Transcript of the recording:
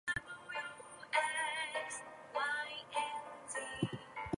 I feel no fear.